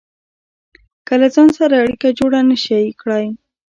که له ځان سره اړيکه جوړه نشئ کړای.